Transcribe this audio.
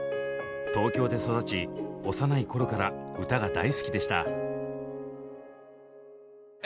東京で育ち幼い頃から歌が大好きでした。